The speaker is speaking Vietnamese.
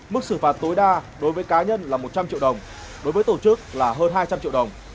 mức xử phạt tối đa đối với cá nhân là một trăm linh triệu đồng đối với tổ chức là hơn hai trăm linh triệu đồng